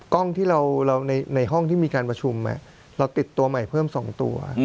กล้องที่เราในห้องที่มีการประชุมเราติดตัวใหม่เพิ่ม๒ตัว